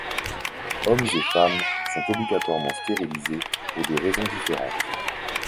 Hommes et femmes sont obligatoirement stérilisés pour des raisons différentes.